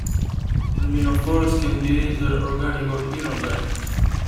Luminophores can be either organic or inorganic.